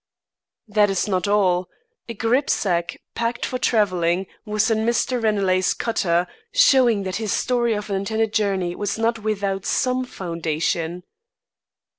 "That is not all. A grip sack, packed for travelling, was in Mr. Ranelagh's cutter, showing that his story of an intended journey was not without some foundation."